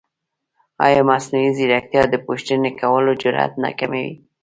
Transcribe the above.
ایا مصنوعي ځیرکتیا د پوښتنې کولو جرئت نه کموي؟